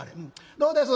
どうです？